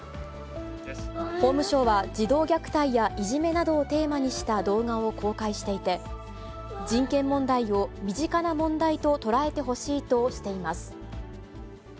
法務省は児童虐待や、いじめなどをテーマにした動画を公開していて、人権問題を身近な問題と捉えてほしいとしています。